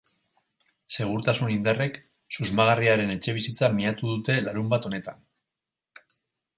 Segurtasun indarrek susmagarriaren etxebizitza miatu dute larunbat honetan.